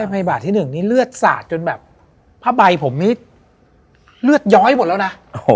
พยาบาลที่๑นี่เลือดสาดจนแบบผ้าใบผมนี่เลือดย้อยหมดแล้วนะ